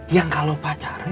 yang kalau pacaran